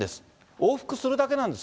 往復するだけなんです。